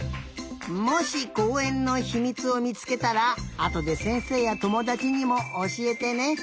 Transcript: もしこうえんのひみつをみつけたらあとでせんせいやともだちにもおしえてね。